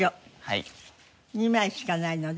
２枚しかないので。